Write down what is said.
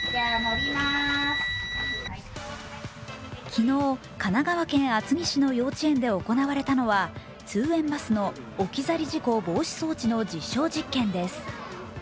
昨日、神奈川県厚木市の幼稚園で行われたのは、通園バスの置き去り事故防止装置の実証実験です。